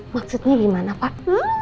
maksudnya gimana pak